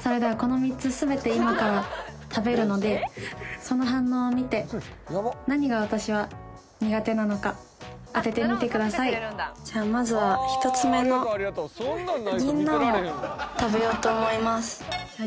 それではこの３つ全て今から食べるのでその反応を見て何が私は苦手なのか当ててみてくださいじゃあまずは１つ目の銀杏を食べようと思いますさあ